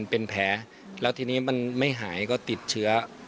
เป็นแผลแล้วทีนี้มันไม่หายก็ติดเชื้อ